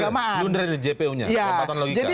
jadi maksudnya blunder jpu nya lompatan logika